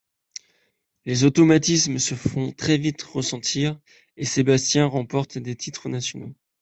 Les automatismes se font très vite ressentir et Sébastien remporte des titres nationaux.